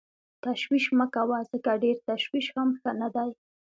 تشویش مه کوه ځکه ډېر تشویش هم ښه نه دی.